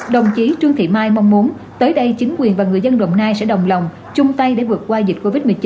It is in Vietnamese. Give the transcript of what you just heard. đồng chí trương thị mai mong muốn tới đây chính quyền và người dân đồng nai sẽ đồng lòng chung tay để vượt qua dịch covid một mươi chín